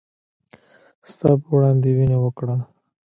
ستا په وړاندې يې وينه وکړه